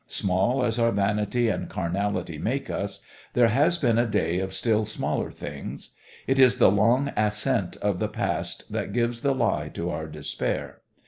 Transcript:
Small as our vanity and carnality make us, there has been a day of still smaller things. It is the long ascent of the past that gives the lie to our despair.